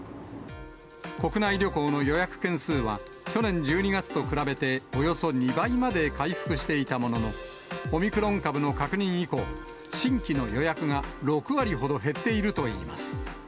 国内旅行の予約件数は、去年１２月と比べておよそ２倍まで回復していたものの、オミクロン株の確認以降、新規の予約が６割ほど減っているといいます。